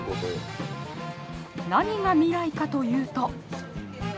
何が未来かというと。